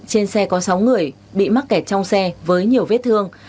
trên xe có sáu người bị mắc kẹt trong xe với nhiều vết thương